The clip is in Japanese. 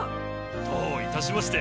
どういたしまして。